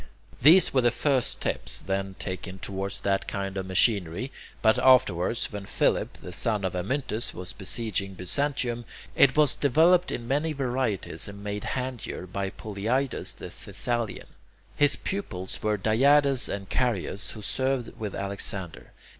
These were the first steps then taken towards that kind of machinery, but afterwards, when Philip, the son of Amyntas, was besieging Byzantium, it was developed in many varieties and made handier by Polyidus the Thessalian. His pupils were Diades and Charias, who served with Alexander.